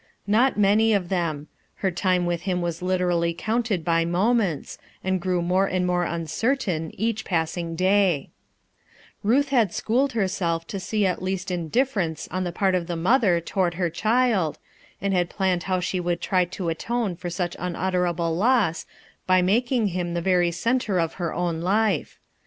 Not many of them; her time with him was literally counted by moments, and prew more and more uncertain each passing day* Ruth had schooled herself to Eee at least in difference on the part of the mother toward her child, and had planned how she would try to atone for such unutterable losd by making him the very centre of her own life.